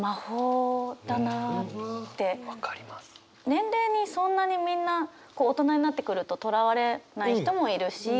年齢にそんなにみんな大人になってくるととらわれない人もいるし。